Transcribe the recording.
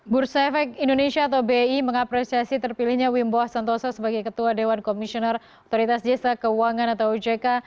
bursa efek indonesia atau bi mengapresiasi terpilihnya wimbo santoso sebagai ketua dewan komisioner otoritas jasa keuangan atau ojk